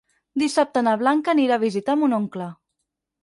Dissabte na Blanca anirà a visitar mon oncle.